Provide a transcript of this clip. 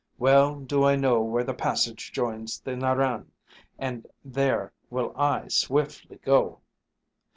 Well do I know where the passage joins the Narran, and there will I swiftly go."